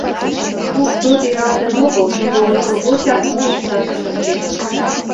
Верук чот иралтын огыл, тудо ончылгочак мо лийшашыжым шижын.